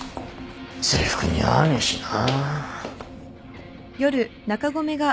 制服似合わねえしな。